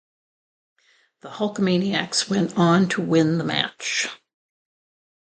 The Hulkamaniacs went on to win the match.